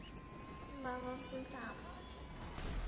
বাবা, ভুলটা আমার।